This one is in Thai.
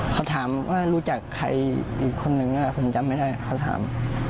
เขาถามว่ารู้จักใครอีกคนนึงผมจำไม่ได้เขาถาม